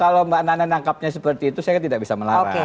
kalau mbak nana menangkapnya seperti itu saya tidak bisa melarang